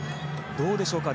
どうでしょうか